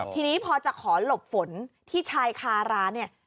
ทีนี้พอจะขอหลบฝนที่ชายคาร้านเนี่ย